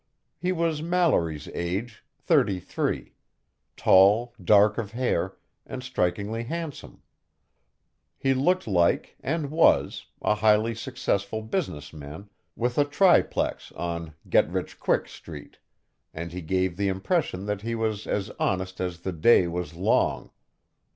He was Mallory's age thirty three tall, dark of hair, and strikingly handsome. He looked like and was a highly successful businessman with a triplex on Get Rich Quick Street, and he gave the impression that he was as honest as the day was long.